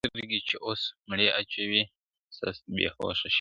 سترگې چي اوس مړې اچوي ست بې هوښه شوی دی